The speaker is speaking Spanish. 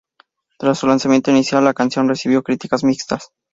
Tras su lanzamiento inicial, la canción recibió críticas mixtas.